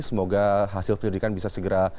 semoga hasil penyelidikan bisa segera